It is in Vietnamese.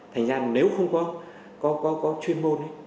thành ra nếu không có chuyên môn